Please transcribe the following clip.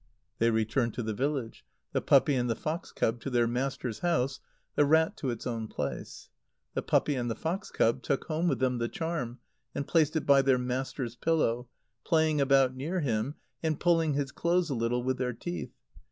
They returned to the village; the puppy and the fox cub to their master's house, the rat to its own place. The puppy and the fox cub took home with them the charm, and placed it by their master's pillow, playing about near him, and pulling his clothes a little with their teeth.